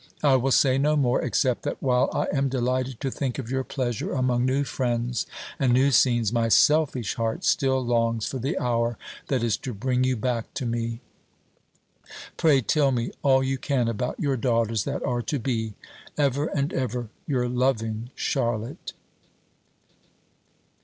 I will say no more, except that while I am delighted to think of your pleasure among new friends and new scenes, my selfish heart still longs for the hour that is to bring you back to me. Pray tell me all you can about your daughters that are to be. Ever and ever your loving CHARLOTTE.